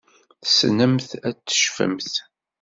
Tessnemt ad tecfemt?